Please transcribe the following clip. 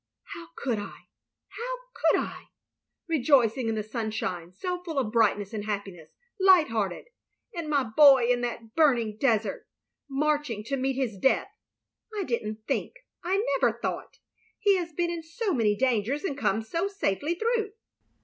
"How could I! How could I! Rejoicing in the sunshine, so full of brightness and happiness, — blight hearted — ^and my boy in that burning desert, marching to meet his death. I did n't think, I never thought. He has been in so many dangers, and come so safely through.